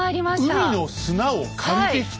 海の砂を借りてきた？